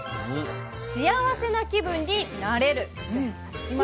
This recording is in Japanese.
幸せな気分になれるんです。